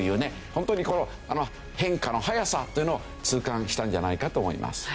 ホントにこの変化の速さというのを痛感したんじゃないかと思います。